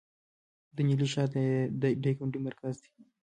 د نیلي ښار د دایکنډي مرکز دی